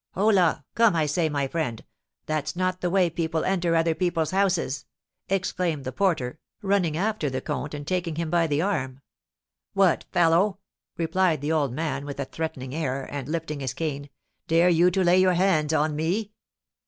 "Holloa! Come, I say, my friend, that's not the way people enter other people's houses!" exclaimed the porter, running after the comte, and taking him by the arm. "What, fellow!" replied the old man, with a threatening air, and lifting his cane, "dare you to lay your hands on me?"